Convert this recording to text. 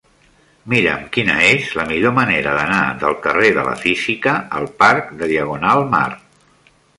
Mira'm quina és la millor manera d'anar del carrer de la Física al parc de Diagonal Mar.